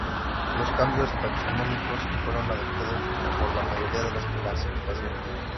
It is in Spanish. Los cambios taxonómicos fueron adoptados por la mayoría de las clasificaciones.